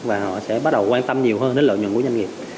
và họ sẽ bắt đầu quan tâm nhiều hơn đến lợi nhuận của doanh nghiệp